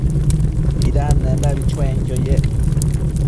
Nidendabi chuenquio yec